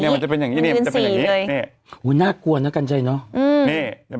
เนี้ยมันจะเป็นอย่างงี้มันยืนสี่เลยเนี้ยโหหน้ากลัวนะกันใจเนอะอืม